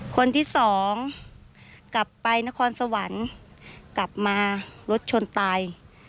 คนที่สองกลับไปนครสวรรค์กลับมารถชนตาย